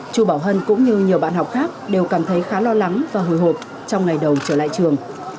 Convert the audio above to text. chu bảo hân cũng như nhiều bạn học khác đều cảm thấy khá lo lắng và hồi hộp trong ngày đầu trở lại trường